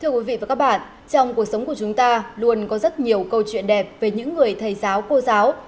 thưa quý vị và các bạn trong cuộc sống của chúng ta luôn có rất nhiều câu chuyện đẹp về những người thầy giáo cô giáo